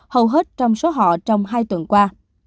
hầu hết trong số họ trong hai tuần qua